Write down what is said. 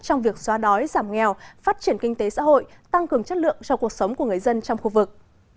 trong việc xóa đói giảm nghèo phát triển kinh tế xã hội tăng cường chất lượng cho cuộc sống của người dân trong khu vực